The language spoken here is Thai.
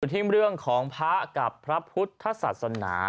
ที่เรื่องของพระกับพระพุทธศาสนา